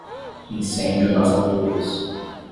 Incêndio nas alturas